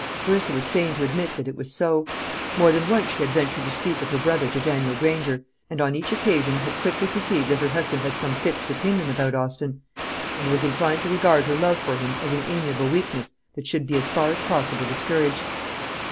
Clarissa was fain to admit that it was so. More than once she had ventured to speak of her brother to Daniel Granger, and on each occasion had quickly perceived that her husband had some fixed opinion about Austin, and was inclined to regard her love for him as an amiable weakness that should be as far as possible discouraged.